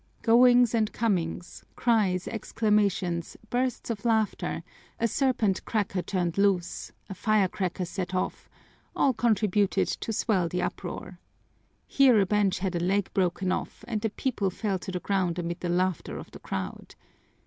Goings and comings, cries, exclamations, bursts of laughter, a serpent cracker turned loose, a firecracker set off all contributed to swell the uproar. Here a bench had a leg broken off and the people fell to the ground amid the laughter of the crowd.